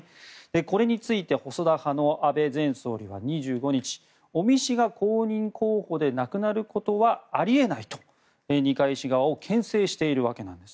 これについて細田派の安倍前総理は２５日尾身氏が公認候補でなくなることはあり得ないと二階氏側をけん制しているわけなんです。